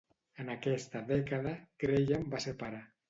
En aquesta dècada, Grahame va ser pare.